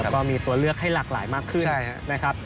ก็มีตัวเลือกให้หลากหลายมากขึ้นนะครับ